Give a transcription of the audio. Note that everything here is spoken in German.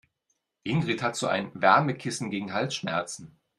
Ingrid hat so ein Wärmekissen gegen Halsschmerzen.